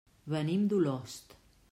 Venim d'Olost.